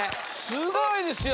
すごいですよ。